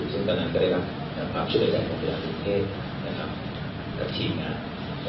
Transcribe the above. ซึ่งตอนนั้นก็ได้รับความช่วยใจของโรงพยาบาลประเทศกับชีวิตงาน